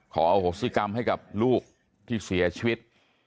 โหสิกรรมให้กับลูกที่เสียชีวิต